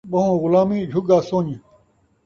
ٻہوں غلامیں جھُڳا سن٘ڄ